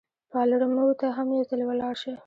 پالرمو ته هم یو ځلي ولاړ شه.